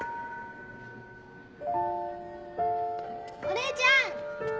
お姉ちゃん！